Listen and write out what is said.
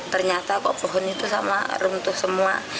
ternyata kok pohon itu sama runtuh semua